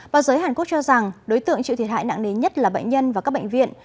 báo giới hàn quốc cho rằng đối tượng chịu thiệt hại nặng nề nhất là bệnh nhân và các bệnh viện